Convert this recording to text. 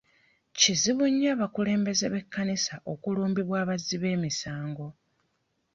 Kizibu nnyo abakulembeze b'ekkanisa okulumbibwa abazzi b'emisango.